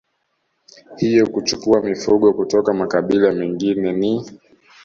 hiyo kuchukua mifugo kutoka makabila mengine ni